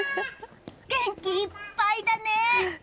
元気いっぱいだね！